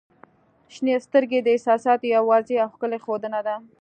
• شنې سترګې د احساساتو یوه واضح او ښکلی ښودنه ده.